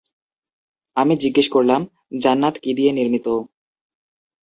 আমি জিজ্ঞেস করলাম, "জান্নাত কী দিয়ে নির্মিত?"